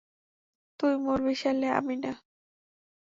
তুই মরবি শালী, আমি না!